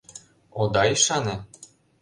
— Ода ӱшане?